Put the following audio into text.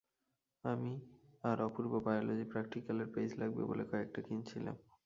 আমি আর অপুর্ব বায়োলজী প্র্যাক্টিক্যালের পেইজ লাগবে বলে কয়েকটা কিনছিলাম।